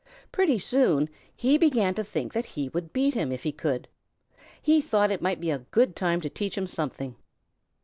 Pretty soon he began to think that he would beat him if he could. He thought it might be a good time to teach him something.